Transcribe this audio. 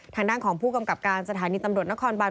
ทางด้านของผู้กำกับการสถานีตำรวจนครบาน